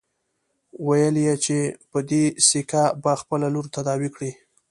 ويل يې چې په دې سيکه به خپله لور تداوي کړي.